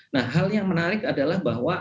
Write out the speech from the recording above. nah hal yang menarik adalah bahwa